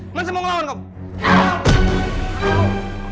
masih mau ngelawan kamu